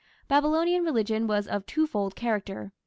Babylonian religion was of twofold character.